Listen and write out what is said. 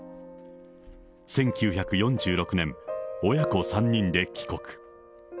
１９４６年、親子３人で帰国。